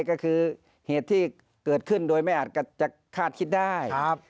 ก็คือเหตุที่เกิดขึ้นโดยไม่อาจจะคาดคิดได้